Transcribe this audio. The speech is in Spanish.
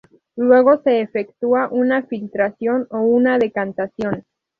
Luego se efectúa una filtración o una decantación.